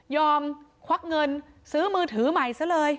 ควักเงินซื้อมือถือใหม่ซะเลย